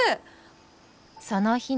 その日の夜。